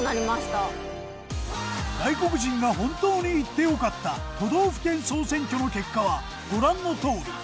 外国人が本当に行って良かった都道府県総選挙の結果はご覧のとおり。